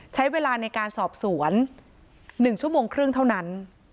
ใช้เวลาในการสอบสวน๑ชั่วโมงครึ่งเท่านั้น